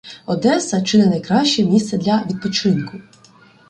Одесса – чи не найкраще місце для відпочинку